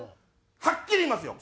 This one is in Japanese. はっきり言いますよ。